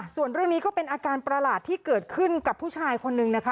ส่วนเรื่องนี้ก็เป็นอาการประหลาดที่เกิดขึ้นกับผู้ชายคนนึงนะคะ